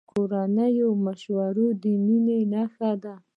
د کورنۍ مشوره د مینې نښه ده.